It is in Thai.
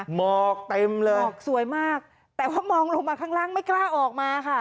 หมอกเต็มเลยหมอกสวยมากแต่ว่ามองลงมาข้างล่างไม่กล้าออกมาค่ะ